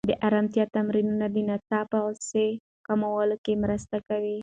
د ارامتیا تمرینونه د ناڅاپه غوسې کمولو کې مرسته کوي.